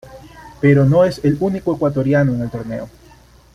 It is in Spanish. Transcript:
Pero no es el único ecuatoriano en el torneo.